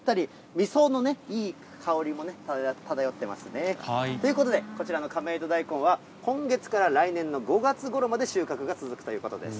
みそのいい香りも漂ってますね。ということで、こちらの亀戸大根は、今月から来年の５月ごろまで収穫が続くということです。